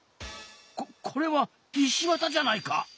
ここれは石綿じゃないか！